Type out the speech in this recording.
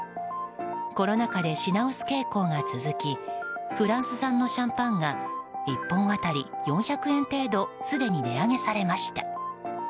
コロナ禍で品薄傾向が続きフランス産のシャンパンが１本当たり４００円程度すでに値上げされました。